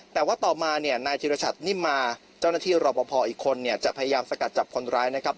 แต่ว่าต่อมาเนี่ยนายธิรชัตนิมมาเจ้าหน้าที่รอปภอีกคนเนี่ยจะพยายามสกัดจับคนร้ายนะครับ